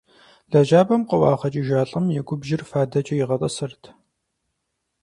Лэжьапӏэм къыӏуагъэкӏыжа лӀым и губжьыр фадэкӀэ игъэтӀысырт.